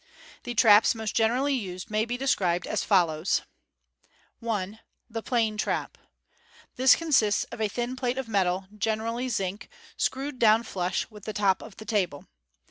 The traps most generally used may be described as follows :— i. The Plain Trap. — This consists of a thin plate of metal, generally zinc, screwed down flush with the top of the table.